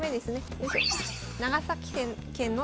よいしょ。